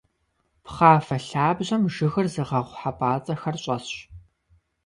Пхъафэ лъабжьэм жыгыр зыгъэгъу хьэпӀацӀэхэр щӀэсщ.